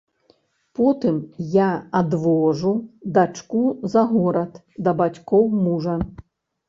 Потым я адвожу дачку за горад да бацькоў мужа.